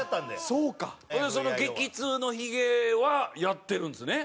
それで激痛のヒゲはやってるんですね。